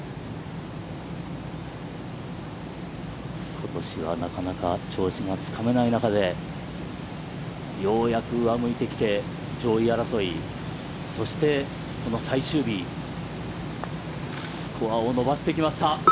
ことしは、なかなか調子がつかめない中で、ようやく上向いてきて、上位争い、そして、この最終日、スコアを伸ばしてきました。